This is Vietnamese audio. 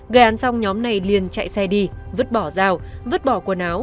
gây án xong nhóm này liền chạy xe đi vứt bỏ dao vứt bỏ quần áo